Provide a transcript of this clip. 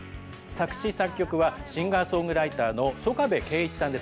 作詞作曲はシンガーソングライターの曽我部恵一さんです。